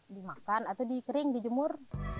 dimakan atau dikering dijemur